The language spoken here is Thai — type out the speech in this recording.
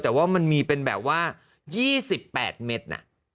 แต่ว่ามันมีเป็นแบบว่า๒๘เมตร